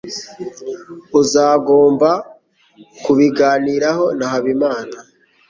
Uzagomba kubiganiraho na Habimana.